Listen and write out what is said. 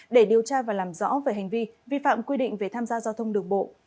để điều tra và làm rõ về hành vi vi phạm quy định về tham gia giao thông đường bộ